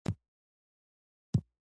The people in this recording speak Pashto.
که هغه پنځه قاعدې نقض کړي.